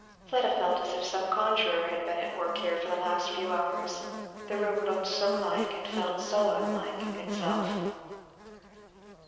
Fleda felt as if some conjuror had been at work here for the last few hours the room looked so like and felt so unlike itself.